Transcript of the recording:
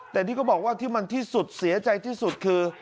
แต่ที่เขาบอกว่าที่มันที่สุดเสียใจที่สุดคือ